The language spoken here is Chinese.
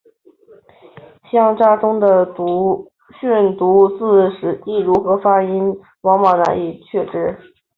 乡札中的训读字实际如何发音往往难以确知。